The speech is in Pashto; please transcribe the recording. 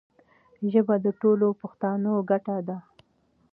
ژبه د ټولو پښتانو ګډه ده.